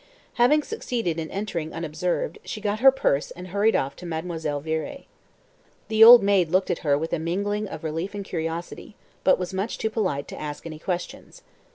Having succeeded in entering unobserved, she got her purse and hurried off to Mademoiselle Viré. The old maid looked at her with a mingling of relief and curiosity, but was much too polite to ask any questions.